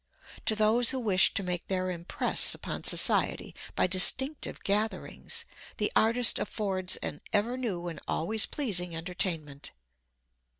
To those who wish to make their impress upon society by distinctive gatherings, the artist affords an ever new and always pleasing entertainment.